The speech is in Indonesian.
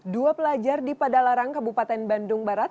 dua pelajar di padalarang kabupaten bandung barat